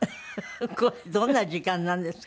これどんな時間なんですか？